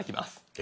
え？